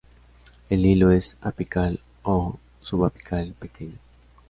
El hilo es apical o subapical, pequeño.